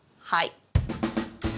はい。